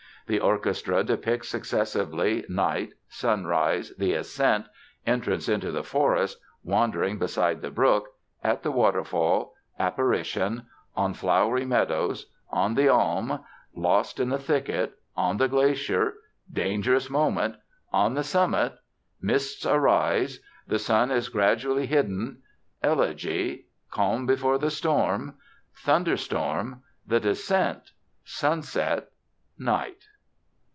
The orchestra depicts successively "Night", "Sunrise", the "Ascent", "Entrance into the Forest", "Wandering besides the Brook", "At the Waterfall", "Apparition", "On Flowery Meadows", "On the Alm", "Lost in the Thicket", "On the Glacier", "Dangerous Moment", "On the Summit", "Mists Rise", "The Sun is gradually hidden", "Elegy", "Calm before the Storm", "Thunderstorm", "The Descent", "Sunset", "Night".